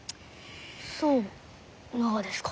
そうながですか。